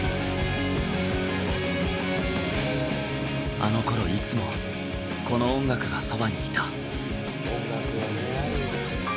あのころいつもこの音楽がそばにいた。